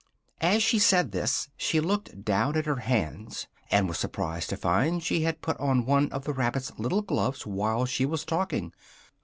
As she said this, she looked down at her hands, and was surprised to find she had put on one of the rabbit's little gloves while she was talking.